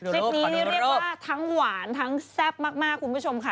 คลิปนี้นี่เรียกว่าทั้งหวานทั้งแซ่บมากคุณผู้ชมค่ะ